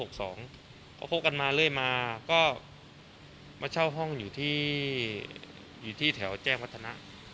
ก็พบกันมาเรื่อยมาก็มาเช่าห้องอยู่ที่อยู่ที่แถวแจ้งพัฒนะ